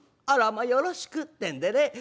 『あらまよろしく』ってんでね